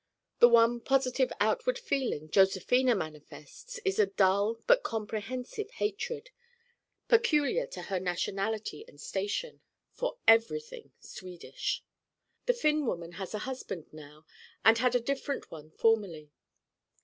The one positive outward feeling Josephina manifests is a dull but comprehensive hatred, peculiar to her nationality and station, for everything Swedish. The Finn woman has a husband now and had a different one formerly.